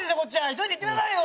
急いで行ってくださいよ。